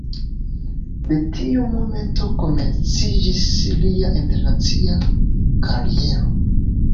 De tiu momento komenciĝis lia internacia kariero.